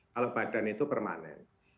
kalau badan itu permanen